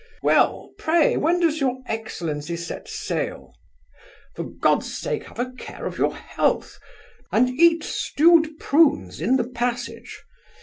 Well Pray when does your excellency set sail? For God's sake have a care of your health, and cat stewed prunes in the passage.